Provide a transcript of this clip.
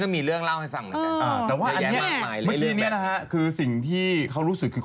เมื่อกี้นะครับคือสิ่งที่เขารู้สึกคือ